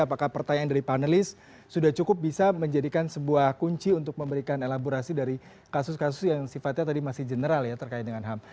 apakah pertanyaan dari panelis sudah cukup bisa menjadikan sebuah kunci untuk memberikan elaborasi dari kasus kasus yang sifatnya tadi masih general ya terkait dengan ham